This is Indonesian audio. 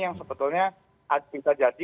yang sebetulnya bisa jadi